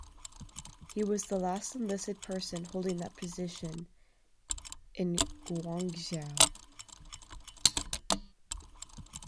He was the last enlisted person holding that position in Guangzhou.